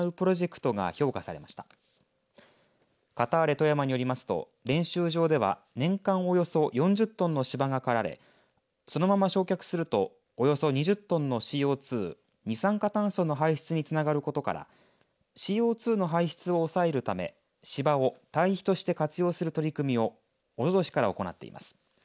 富山によりますと練習場では年間およそ４０トンの芝が刈られそのまま焼却するとおよそ２０トンのＣＯ２二酸化炭素の排出につながることからＣＯ２の排出を押さえるため芝を堆肥として活用する取り組みをおととしから行っています。